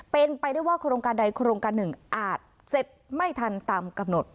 เป็นไปได้ว่าโครงการใดโครงการหนึ่งอาจเสร็จไม่ทันตามกำหนด